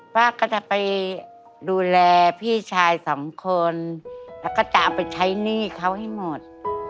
ป้าก็จะไปดูแลพี่ชายสองคนแล้วก็จะเอาไปใช้หนี้เขาให้หมด